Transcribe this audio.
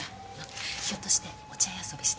ひょっとしてお茶屋遊びしてるとか？